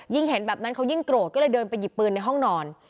เห็นแบบนั้นเขายิ่งโกรธก็เลยเดินไปหยิบปืนในห้องนอน